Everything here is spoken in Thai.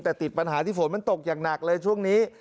แต่ติดปัญหาที่ฝนมันตกอย่างหนักเลยช่วงนี้